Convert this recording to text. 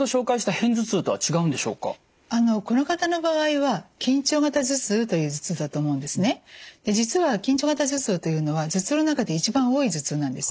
実は緊張型頭痛というのは頭痛の中で一番多い頭痛なんです。